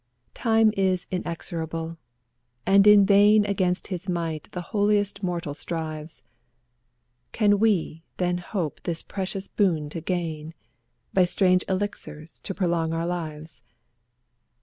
Time is inexorable, and in vain Against his might the holiest mortal strives ; Can we then hope this precious boon to gain, By strange elixirs to prolong our lives?...